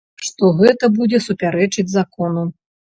Што гэта будзе супярэчыць закону.